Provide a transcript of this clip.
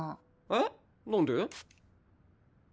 えっ？何で？